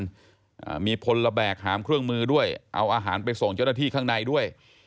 อ่ามีพลแบกหามเครื่องมือด้วยเอาอาหารไปส่งเจ้าหน้าที่ข้างในด้วย